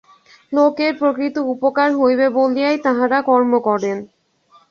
লোকের প্রকৃত উপকার হইবে বলিয়াই তাঁহারা কর্ম করেন।